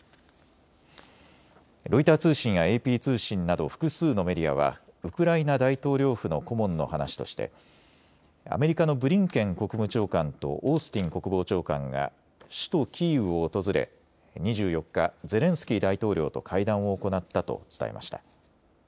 ロイター通信やＡＰ通信など複数のメディアはウクライナ大統領府の顧問の話としてアメリカのブリンケン国務長官とオースティン国防長官が首都キーウを訪れ２４日、ゼレンスキー大統領と会談を行ったと伝えました。